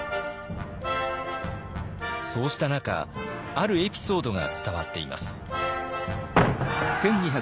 そうした中あるエピソードが伝わっています。